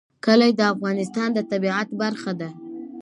کلي د افغانستان د طبیعت برخه ده.